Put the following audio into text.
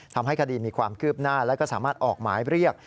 ทำให้คดีมีความคืบหน้าและก็สามารถออกหมายเรียก